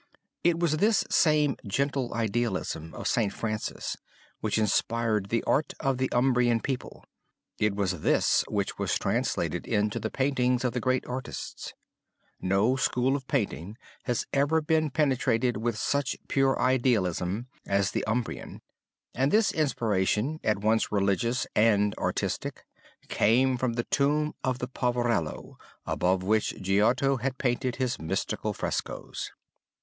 It was this same gentle idealism of St. Francis which inspired the art of the Umbrian people; it was this which was translated into the paintings of the greatest artists. No school of painting has ever been penetrated with such pure idealism as the Umbrian; and this inspiration, at once religious and artistic, came from the tomb of the poverello above which Giotto had painted his mystical frescoes.